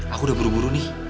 aku udah buru buru nih